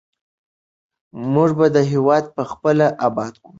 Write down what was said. موږ به دا هېواد پخپله اباد کړو.